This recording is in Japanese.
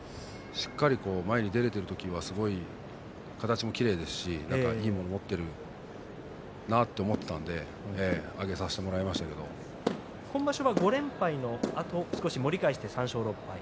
しっかり前に出ている時は形もきれいですしいいものを持っているなと思っていたんで、挙げさせて今場所は５連敗のあと少し盛り返して３勝６敗。